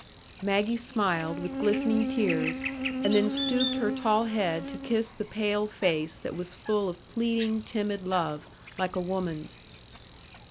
Maggie smiled, with glistening tears, and then stooped her tall head to kiss the pale face that was full of pleading, timid love,—like a woman's.